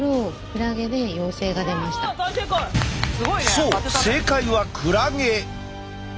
そう正解はクラゲ！